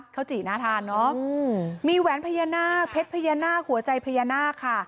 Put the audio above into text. จีน่าทานเนอะมีแหวนพญานาคเพชรพญานาคหัวใจพญานาคค่ะ